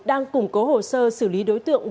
đang củng cố hồ sơ xử lý đối tượng